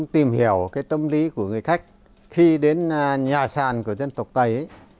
tìm hiểu tâm lý của người khách khi đến nhà sàn của dân tộc tây